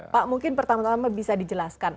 pak mungkin pertama tama bisa dijelaskan